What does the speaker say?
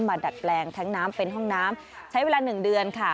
ดัดแปลงแท้งน้ำเป็นห้องน้ำใช้เวลาหนึ่งเดือนค่ะ